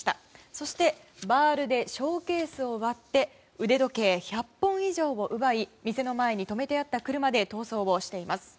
そして、バールでショーケースを割って腕時計１００本以上を奪い店の前に止めてあった車で逃走をしています。